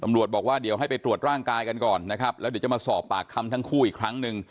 บอกว่าเดี๋ยวให้ไปตรวจร่างกายกันก่อนนะครับแล้วเดี๋ยวจะมาสอบปากคำทั้งคู่อีกครั้งหนึ่ง